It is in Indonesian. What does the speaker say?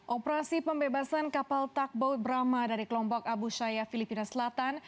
operasi pembebasan kapal takbo brama dari kelompok abushaya filipina selatan